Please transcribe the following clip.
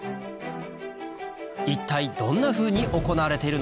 一体どんなふうに行われているのか？